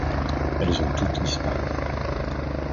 Elles ont toutes disparu.